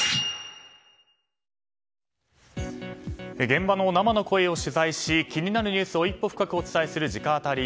現場の生の声を取材し気になるニュースを一歩深くお伝えする直アタリ。